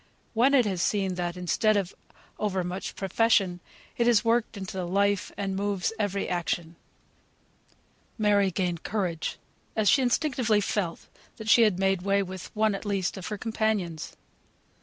When it is seen that, instead of over much profession, it is worked into the life, and moves every action! Mary gained courage as she instinctively felt she had made way with one at least of her companions.